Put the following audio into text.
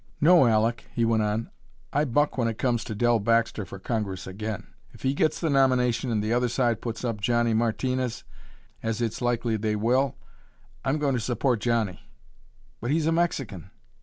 "No, Aleck," he went on. "I buck when it comes to Dell Baxter for Congress again. If he gets the nomination and the other side puts up Johnny Martinez, as it's likely they will, I'm going to support Johnny." "But he's a Mexican."